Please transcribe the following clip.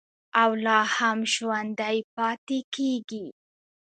او لا هم ژوندی پاتې کیږي.